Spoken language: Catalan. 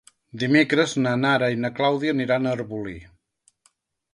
Dimecres na Nara i na Clàudia aniran a Arbolí.